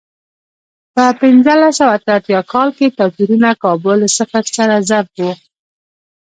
په پنځلس سوه اته اتیا کال کې توپیرونه کابو له صفر سره ضرب و.